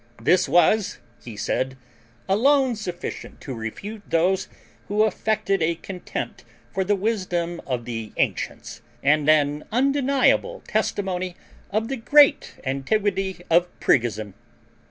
This was, he said, alone sufficient to refute those who affected a contempt for the wisdom of the ancients, and an undeniable testimony of the great antiquity of priggism.